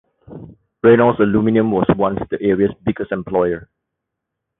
Reynolds Aluminum was once the area's biggest employer.